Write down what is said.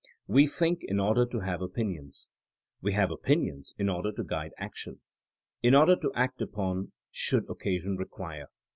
We think in order to have opinions. We have opinions in order to guide action; in order to act upon should occasion require.